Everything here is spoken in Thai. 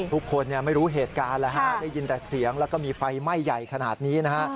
ทุกคนไม่รู้เหตุการณ์แล้วฮะได้ยินแต่เสียงแล้วก็มีไฟไหม้ใหญ่ขนาดนี้นะฮะ